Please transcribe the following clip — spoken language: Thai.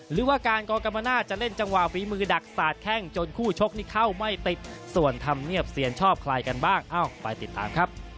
หรือว่าการกรกรรมนาศจะเล่นจังหวะฝีมือดักสาดแข้งจนคู่ชกนี่เข้าไม่ติดส่วนธรรมเนียบเซียนชอบใครกันบ้างเอ้าไปติดตามครับ